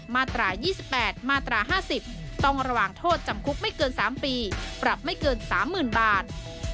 มาตรา๒๘มาตรา๕๐ต้องระหว่างโทษจำคุกไม่เกิน๓ปีปรับไม่เกิน๓๐๐๐บาท